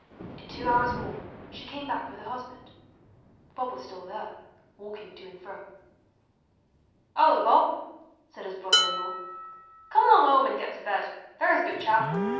In two hours more she came back with her husband. Bob was still there, walking to and fro. ''Ullo, Bob,' said his brother in law; 'come along 'ome an' get to bed, there's a good chap.